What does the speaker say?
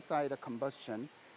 di dalam pengecualian